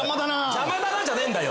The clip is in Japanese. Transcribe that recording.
邪魔だなぁじゃねえんだよ。